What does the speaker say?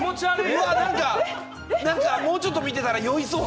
もうちょっと見てたら酔いそう。